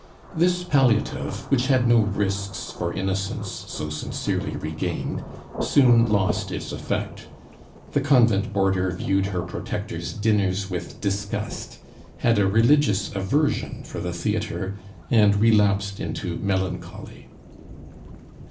This palliative, which had no risks for innocence so sincerely regained, soon lost its effect. The convent boarder viewed her protector's dinners with disgust, had a religious aversion for the theatre, and relapsed into melancholy.